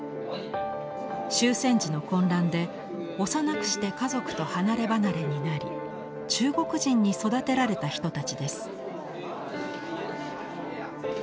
終戦時の混乱で幼くして家族と離れ離れになり中国人に育てられた人たちです。